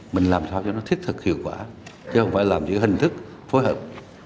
mình làm sao cho nó thiết thực hiệu quả chứ không phải làm những hình thức phối hợp